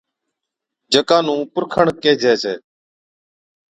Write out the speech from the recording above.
جڪا نُون پُرکَڻ ڪيهجَي ڇَي